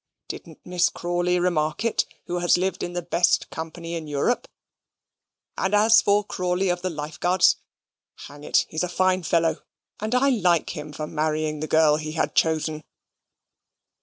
Didn't Miss Crawley remark it, who has lived in the best company in Europe? And as for Crawley, of the Life Guards, hang it, he's a fine fellow: and I like him for marrying the girl he had chosen."